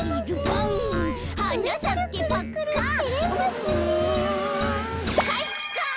うんかいか！